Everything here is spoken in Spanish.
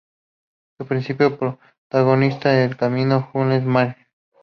Su principal protagonista es el comisario Jules Maigret.